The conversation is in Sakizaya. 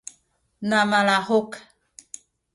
na malahuk